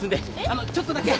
あのうちょっとだけ。